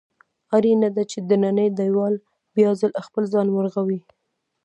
اړینه ده چې دننی دېوال بیا ځل خپل ځان ورغوي.